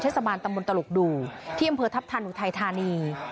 เทศบาลตำบลตลกดูที่อำเภอทัพทันอุทัยธานี